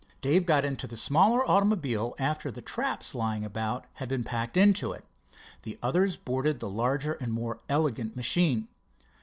Dave got into the smaller automobile after the traps lying about had been packed into it. The others boarded the larger and more elegant machine.